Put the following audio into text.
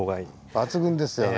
抜群ですよね。